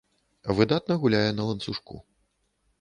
Выдатна гуляе на ланцужку.